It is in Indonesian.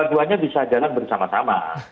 tujuannya bisa jalan bersama sama